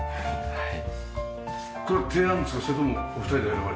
はい。